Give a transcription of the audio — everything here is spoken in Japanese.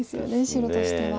白としては。